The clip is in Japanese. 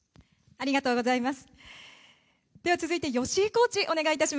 ありがとうございます。